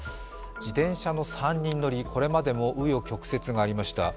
自転車の３人乗り、これまでも紆余曲折がありました。